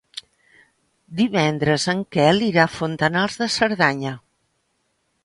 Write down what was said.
Divendres en Quel irà a Fontanals de Cerdanya.